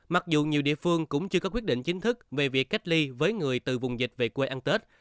mặc dù nhiều địa phương cũng chưa có quyết định chính thức về việc cách ly với người từ vùng dịch về quê ăn tết